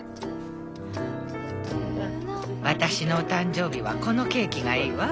私のお誕生日はこのケーキがいいわ。